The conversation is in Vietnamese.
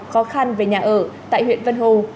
khó khăn về nhà ở tại huyện vân hồ